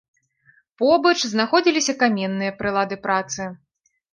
Побач знаходзіліся каменныя прылады працы.